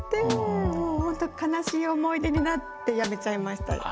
もうほんと悲しい思い出になってやめちゃいました。